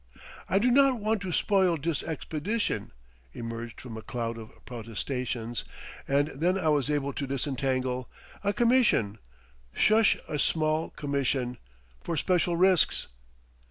"I do not want to spoil dis expedition," emerged from a cloud of protestations, and then I was able to disentangle "a commission—shush a small commission—for special risks!"